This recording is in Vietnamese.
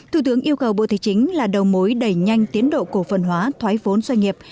thủ tướng yêu cầu bộ thế chính là đầu mối đẩy nhanh tiến độ cổ phần hóa thoái vốn doanh nghiệp